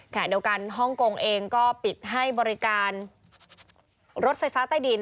ขณะเดียวกันฮ่องกงเองก็ปิดให้บริการรถไฟฟ้าใต้ดิน